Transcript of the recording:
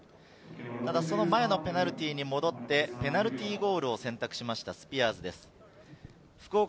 ただ、その前のペナルティーに戻って、ペナルティーゴールを選択しました、スピアーズです。